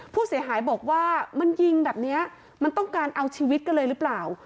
ผู้เสียหายบอกว่ามันยิงแบบนี้มันต้องการเอาชีวิตกันเลยหรือเปล่า